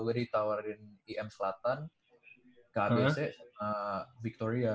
gue ditawarin im selatan kbc sama victoria